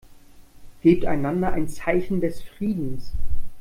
Gebt einander ein Zeichen des Friedens.